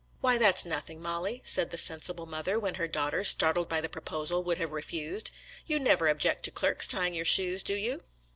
"Why, that's nothing, MoUie," said the sensible mother, when her daughter, startled by the proposal, would have refused. " You never object to clerks tying your shoes, do you?